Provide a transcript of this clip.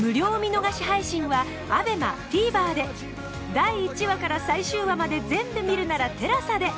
第１話から最終話まで全部見るなら ＴＥＬＡＳＡ で